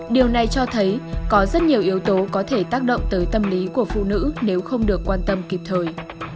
điều này cho thấy có rất nhiều yếu tố có thể tác động tới tâm lý của phụ nữ nếu không được quan tâm kịp thời